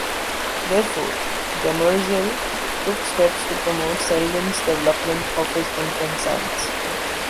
Therefore, Demerzel took steps to promote Seldon's development of his infant science.